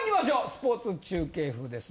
スポーツ中継風です。